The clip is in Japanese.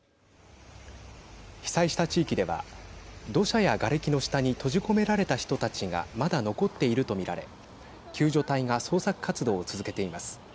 被災した地域では土砂やがれきの下に閉じ込められた人たちがまだ残っていると見られ救助隊が捜索活動を続けています。